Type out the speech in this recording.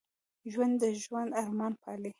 ژوندي د ژوند ارمان پالي